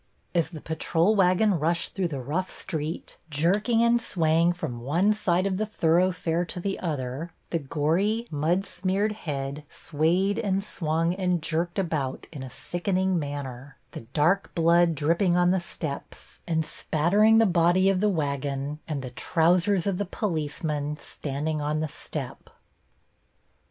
As the patrol wagon rushed through the rough street, jerking and swaying from one side of the thoroughfare to the other, the gory, mud smeared head swayed and swung and jerked about in a sickening manner, the dark blood dripping on the steps and spattering the body of the wagon and the trousers of the policemen standing on the step.